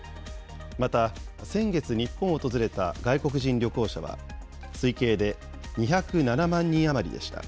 また、先月日本を訪れた外国人旅行者は、推計で２０７万人余りでした。